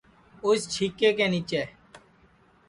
اُس چھیکے کے نیچے